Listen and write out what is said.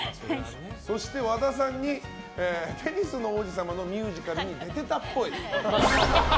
そして和田さんに「テニスの王子様」のミュージカルに出ていたっぽい。